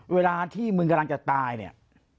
เวลาที่มึงกำลังจะตายเนี่ย